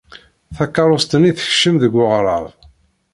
Takeṛṛust-nni tekcem deg weɣrab.